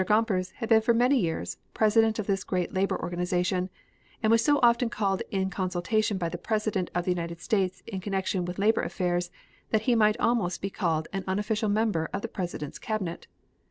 Gompers had been for many years president of this great labor organization, and was so often called in consultation by the President of the United States in connection with labor affairs that he might almost be called an unofficial member of the President's cabinet.